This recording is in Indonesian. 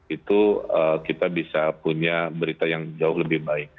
itu kita bisa punya berita yang jauh lebih baik